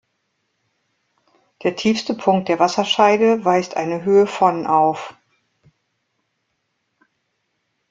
Der tiefste Punkt der Wasserscheide weist eine Höhe von auf.